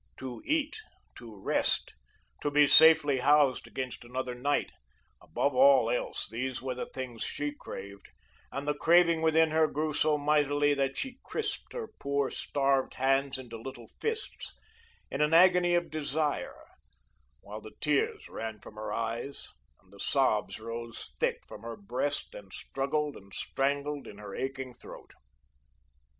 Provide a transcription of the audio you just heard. To eat, to rest, to be safely housed against another night, above all else, these were the things she craved; and the craving within her grew so mighty that she crisped her poor, starved hands into little fists, in an agony of desire, while the tears ran from her eyes, and the sobs rose thick from her breast and struggled and strangled in her aching throat.